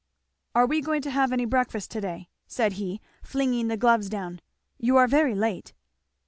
"Are we going to have any breakfast to day?" said he flinging the gloves down. "You are very late!"